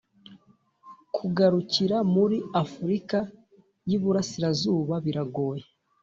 kugarukira muri afurika y uburasirazuba biragoye